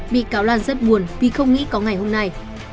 bị cáo lan rất buồn vì không nghĩ có ngày hôm nay